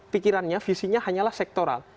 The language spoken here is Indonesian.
pikirannya visinya hanyalah sektoral